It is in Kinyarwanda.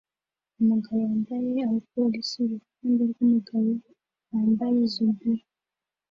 Umugabo wambaye abapolisi iruhande rwumugabo wambaye zombie